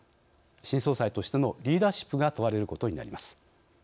新総裁としてのリーダーシップが問われることになります。